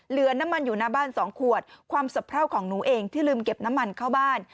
เหลือน้ำมันอยู่หน้าบ้าน๒ขวดความสะเพราของหนูเองที่ลืมเก็บน้ำมันเข้าบ้าน